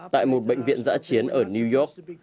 tại một bệnh viện giã chiến ở new york